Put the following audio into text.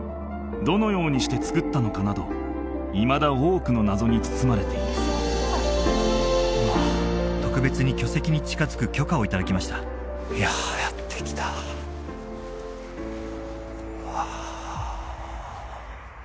どのようにして造ったのかなどいまだ多くの謎に包まれている特別に巨石に近づく許可をいただきましたいやうわうわ